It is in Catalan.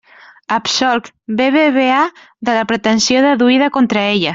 Absolc BBVA de la pretensió deduïda contra ella.